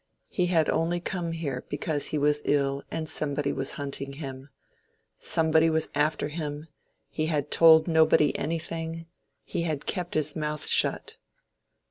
He had only come here because he was ill and somebody was hunting him—somebody was after him, he had told nobody anything, he had kept his mouth shut.